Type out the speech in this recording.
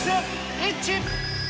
イッチ。